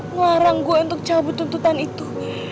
melarang gue untuk cabut tuntutan itu